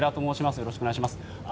よろしくお願いします。